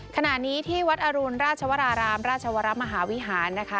ขณะนี้ที่วัดอรุณราชวรารามราชวรมหาวิหารนะคะ